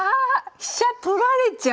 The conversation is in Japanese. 飛車取られちゃう！